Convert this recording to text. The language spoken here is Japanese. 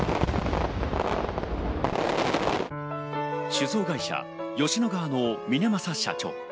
酒造会社・吉乃川の峰政社長。